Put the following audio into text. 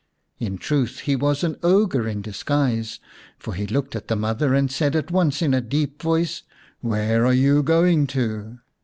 In truth, he was an ogre in disguise, for he looked at the mother and said at once in a deep voice, " Where are you going to